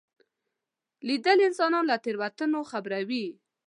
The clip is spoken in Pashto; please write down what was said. لیدل انسان له تېروتنو خبروي